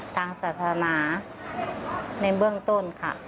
ทางศาสนาในเบื้องต้นค่ะ